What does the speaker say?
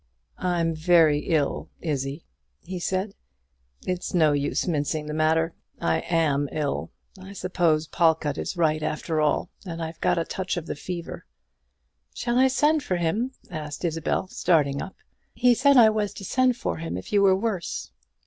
"I'm very ill, Izzie," he said; "it's no use mincing the matter; I am ill. I suppose Pawlkatt is right after all, and I've got a touch of the fever." "Shall I send for him?" asked Isabel, starting up; "he said I was to send for him if you were worse."